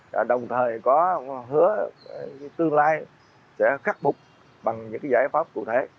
và đồng thời có hứa tương lai sẽ khắc bục bằng những giải pháp cụ thể